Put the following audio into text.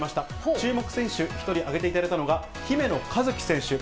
注目選手、１人挙げていただいたのが姫野和樹選手。